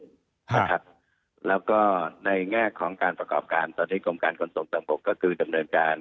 แล้วก็ในแง่ของการประกอบการตอนนี้กรมการขนส่งทางบกก็คือดำเนินการ